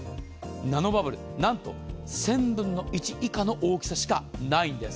ナノバブルなんと、１０００分の１以下の大きさしかないんです。